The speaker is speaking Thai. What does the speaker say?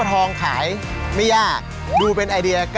แล้วก็สองก็คือโรคขี้เปื่อยหางเปื่อยหางเปื่อยเหรอ